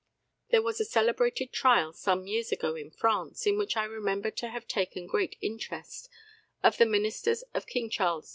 There was a celebrated trial some years ago in France, in which I remember to have taken great interest, of the ministers of King Charles X.